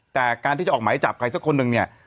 แต่การที่จะออกหมายจับใครสักคนหนึ่งเนี่ย